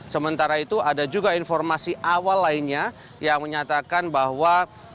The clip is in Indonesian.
sementara itu ada juga informasi awal lainnya yang menyatakan bahwa